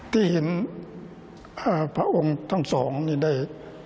ที่เห็นพระองค์ทั้งสองนี่ได้